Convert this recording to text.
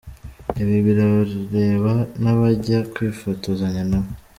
Ibi birareba n’abajya kwifotozanya na bo.